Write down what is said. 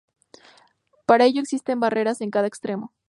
Para ello existen barreras en cada extremo.